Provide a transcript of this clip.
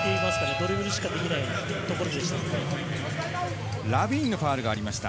ドリブルしかできないところでした。